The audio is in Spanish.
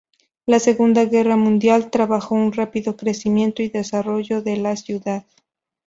La Segunda Guerra Mundial trajo un rápido crecimiento y desarrollo de la ciudad.